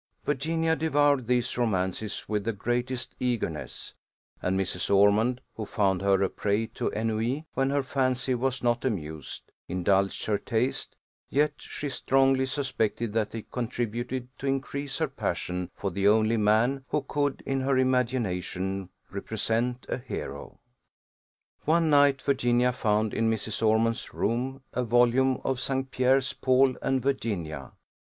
Virginia devoured these romances with the greatest eagerness; and Mrs. Ormond, who found her a prey to ennui when her fancy was not amused, indulged her taste; yet she strongly suspected that they contributed to increase her passion for the only man who could, in her imagination, represent a hero. One night Virginia found, in Mrs. Ormond's room, a volume of St. Pierre's Paul and Virginia.